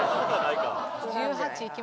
１８いきます？